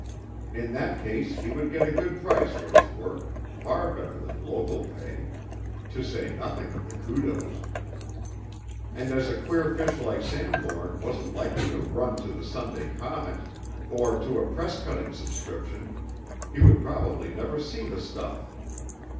In that case, he would get a good price for his work, far better than local pay, to say nothing of the kudos; and as a queer fish like Sanbourne wasn't likely to "run to" the Sunday Comet, or to a press cutting subscription, he would probably never see the "stuff."